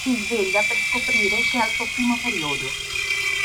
Si sveglia per scoprire che è al suo primo periodo.